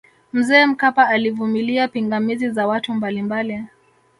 mzee mkapa alivumilia pingamizi za watu mbalimbali